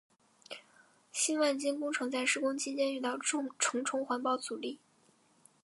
新万金工程在施工期间遇到重重环保阻力。